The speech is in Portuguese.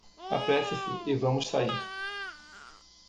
Apresse-se e vamos sair.